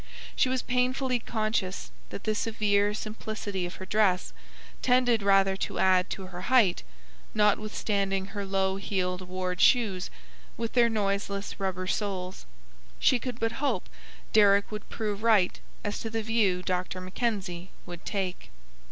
She was painfully conscious that the severe simplicity of her dress tended rather to add to her height, notwithstanding her low heeled ward shoes with their noiseless rubber soles. She could but hope Deryck would prove right as to the view Dr. Mackenzie would take.